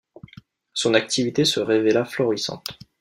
Son activité se révéla florissante.